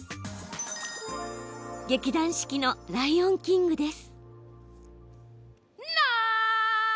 劇団四季の「ライオンキング」です。